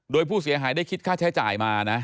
โดยผู้เสียหายได้คิดค่าใช้จ่ายมานะ